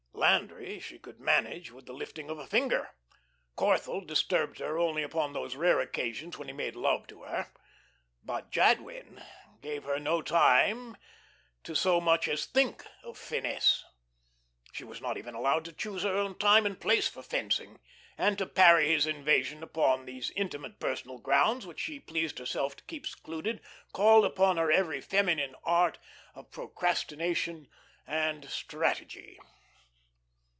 Landry she could manage with the lifting of a finger, Corthell disturbed her only upon those rare occasions when he made love to her. But Jadwin gave her no time to so much as think of finesse. She was not even allowed to choose her own time and place for fencing, and to parry his invasion upon those intimate personal grounds which she pleased herself to keep secluded called upon her every feminine art of procrastination and strategy.